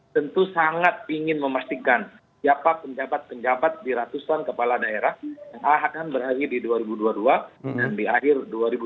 tentu sangat ingin memastikan siapa penjabat penjabat di ratusan kepala daerah yang akan berakhir di dua ribu dua puluh dua dan di akhir dua ribu dua puluh empat